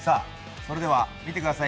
それでは見てください